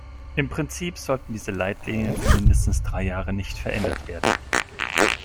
Im Prinzip sollten diese Leitlinien für mindestens drei Jahre nicht verändert werden.